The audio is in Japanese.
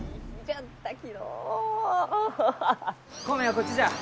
米はこっちじゃ。